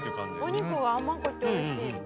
お肉は甘くておいしい。